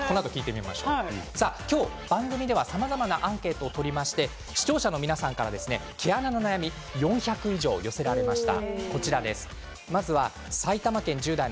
今日の番組ではさまざまなアンケートを取りまして視聴者の皆さんから毛穴の悩みが４００以上寄せられました。